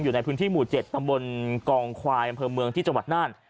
อยู่ในพื้นที่หมู่๗ตำบลกองควายอำเภอเมืองที่จังหวัดน่าน